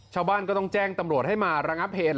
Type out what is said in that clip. ชาวบ้านก็ต้องแจ้งตำรวจให้มาระงับเหตุ